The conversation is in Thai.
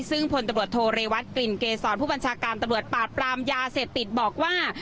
ซึ่งพลตำรวจโทเรวัตกลิ่นเกษรผู้บัญชาการตำรวจปราบปรามยาเสพติดบอกว่า